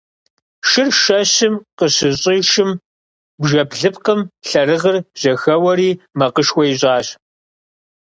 Шыр шэщым къыщыщӀишым бжэ блыпкъым лъэрыгъыр жьэхэуэри макъышхуэ ищӀащ.